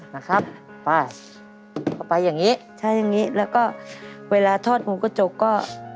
นะครับไปเอาไปอย่างนี้ใช้อย่างงี้แล้วก็เวลาทอดหมูกระจกก็